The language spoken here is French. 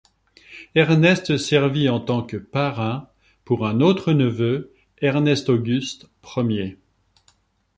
Ernest servi en tant que parrain pour un autre neveu, Ernest-Auguste Ier.